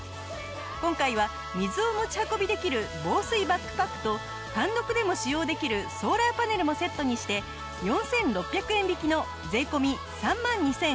今回は水を持ち運びできる防水バックパックと単独でも使用できるソーラーパネルもセットにして４６００円引きの税込３万２８００円です。